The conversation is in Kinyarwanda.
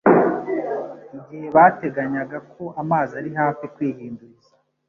igihe bateganyaga ko amazi ari hafi kwihinduriza,